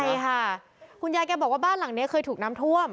ใช่ค่ะคุณยายแกบอกว่าบ้านหลังนี้เคยถูกน้ำท่วม